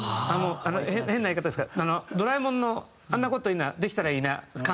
変な言い方ですけど『ドラえもん』の「あんなこといいなできたらいいな」感が出ちゃう。